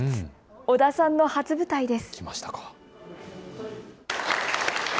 尾田さんの初舞台です。